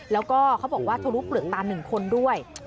แล้วก็เขาบอกว่าทรุปเปลือกตาหนึ่งคนด้วย